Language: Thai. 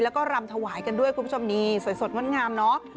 แล้วก็รำถวายกันด้วยคุณผู้ชมนี่สวยสดงดงามเนาะ